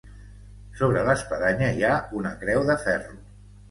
Sobre l'espadanya hi ha una creu de ferro.